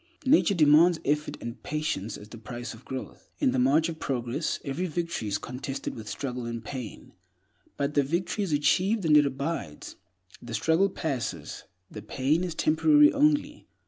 Nature demands effort and patience as the price of growth. In the march of progress, every victory is contested with struggle and pain; but the victory is achieved, and it abides. The struggle passes; the pain is temporary only.